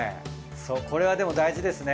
これはでも大事ですね